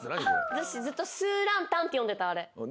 私ずっと「スーランタン」って読んでたあれ。